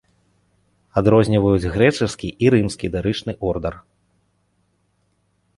Адрозніваюць грэчаскі і рымскі дарычны ордар.